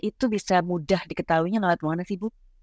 itu bisa mudah diketahuinya lewat mana sih bu